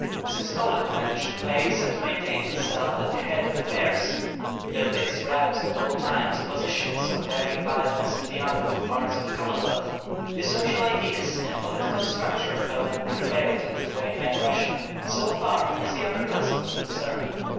Since Poland managed to place and maintain itself at the head of affairs, though this roused at all times opposition of varying violence in the other two parts of the Commonwealth, the social ideals and political structure of Poland prevailed in Lithuania and Russia, so far as the upper classes were concerned.